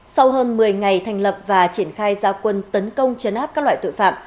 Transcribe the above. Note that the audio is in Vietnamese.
sau hơn một mươi ngày thành lập và triển khai gia quân tấn công chấn áp các loại tội phạm